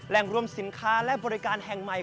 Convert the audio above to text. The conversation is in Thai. รวมรวมสินค้าและบริการแห่งใหม่